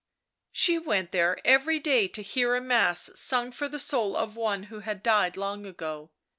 She went there every day to hear a mass sung for the soul of one who had died long ago.